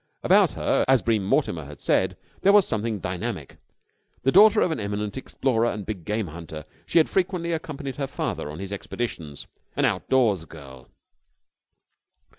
About her, as Bream Mortimer had said, there was something dynamic. The daughter of an eminent explorer and big game hunter, she had frequently accompanied her father on his expeditions. An out doors girl.